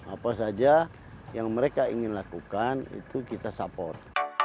apa saja yang mereka ingin lakukan itu kita support